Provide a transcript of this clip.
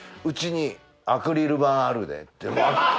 うちにアクリル板あるでって。